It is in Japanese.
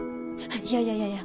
いやいやいやいや。